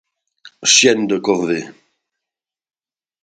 Chienne de corvée !